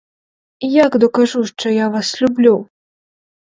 Як докажу, що я вас люблю?